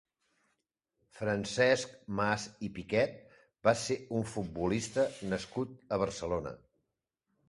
Francesc Mas i Piquet va ser un futbolista nascut a Barcelona.